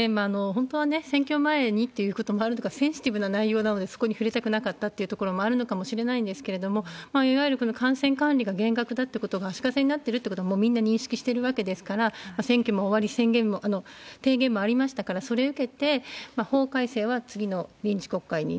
本当はね、選挙前にっていうこともあるとか、せんしてぃぶなないようなのでそこに触れたくなかったというところもあるのかもしれませんけれども、いわゆるこの感染管理が厳格だっていうことが足かせになってるってことはみんな認識してるわけですから、選挙も終わり、提言もありましたから、それを受けて、法改正は次の臨時国会に。